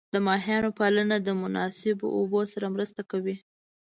د ماهیانو پالنه د مناسب اوبو سره مرسته کوي.